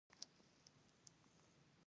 منفي او مثبته آزادي یې توپیر کړه.